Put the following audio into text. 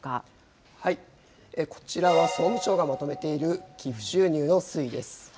こちらは総務省がまとめている寄付収入の推移です。